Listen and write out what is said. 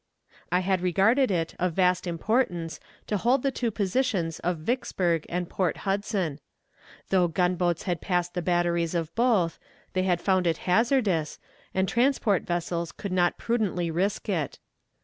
I had regarded it of vast importance to hold the two positions of Vicksburg and Port Hudson. Though gunboats had passed the batteries of both, they had found it hazardous, and transport vessels could not prudently risk it.